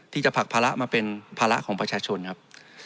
ที่จะผลักภาระมาเป็นภาระของประชาชนครับ